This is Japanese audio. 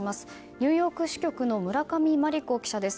ニューヨーク支局の村上真理子記者です。